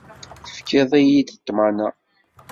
Tefkiḍ-iyi-d ṭṭmana.